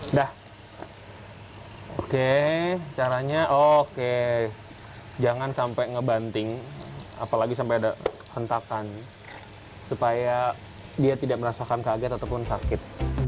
udah oke caranya oke jangan sampai ngebanting apalagi sampai ada hentakan supaya dia tidak merasakan kaget ataupun sakit